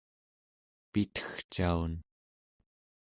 pitegcaun